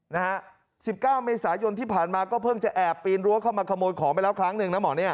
นะฮะ๑๙เมษายนที่ผ่านมาก็เพิ่งจะแอบปีนรั้วเข้ามาขโมยของไปแล้วครั้งหนึ่งนะหมอเนี่ย